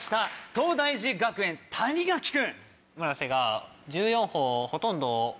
東大寺学園谷垣君。